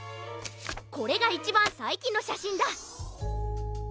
これがいちばんさいきんのしゃしんだ。